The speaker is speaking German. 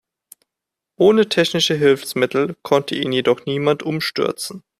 Ohne technische Hilfsmittel konnte ihn jedoch noch niemand umstürzen.